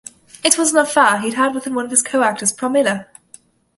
It was an affair he'd had with one of his co-actors, Promila.